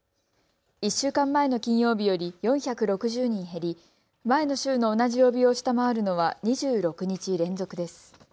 １週間前の金曜日より４６０人減り、前の週の同じ曜日を下回るのは２６日連続です。